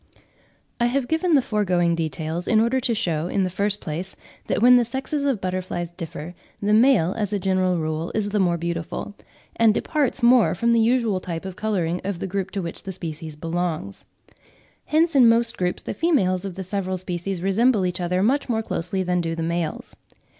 I have given the foregoing details in order to shew, in the first place, that when the sexes of butterflies differ, the male as a general rule is the more beautiful, and departs more from the usual type of colouring of the group to which the species belongs. Hence in most groups the females of the several species resemble each other much more closely than do the males.